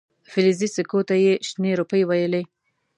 فلزي سکو ته یې شنې روپۍ ویلې.